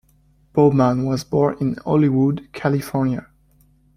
Bowman was born in Hollywood, California.